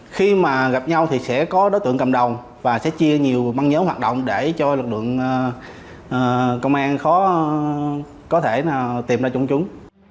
khi mà gặp nhau thì sẽ có đối tượng cầm đầu và sẽ chia nhiều băng nhóm hoạt động để cho lực lượng công an khó có thể tìm ra chúng chúng